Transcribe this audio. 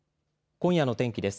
今夜の天気です。